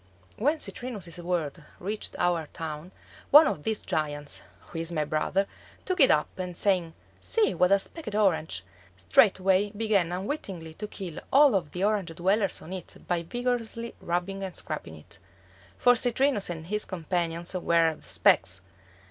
When Citrinus's world reached our town, one of these giants, who is my brother, took it up, and saying, "See, what a specked orange," straightway began unwittingly to kill all of the Orange dwellers on it by vigorously rubbing and scraping it. For Citrinus and his companions were the specks!